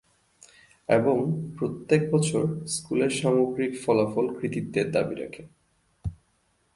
এবং প্রত্যেক বছর স্কুলের সামগ্রিক ফলাফল কৃতিত্বের দাবি রাখে।